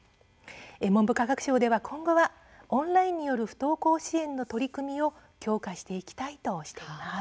文部科学省では今後はオンラインによる不登校支援の取り組みを強化していきたいとしています。